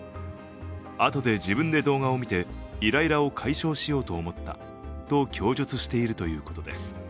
あとで自分で動画を見てイライラを解消しようと思ったと供述しているということです。